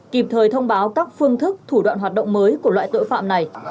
kịp thời thông báo các phương thức thủ đoạn hoạt động mới của loại tội phạm này